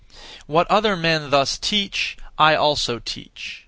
What other men (thus) teach, I also teach.